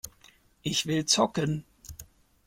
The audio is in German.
Ich will zocken!